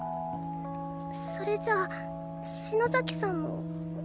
それじゃあ篠崎さんもわ